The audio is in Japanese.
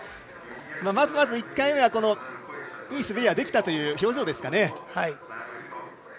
まず１回目はいい滑りができたという表情ですかね。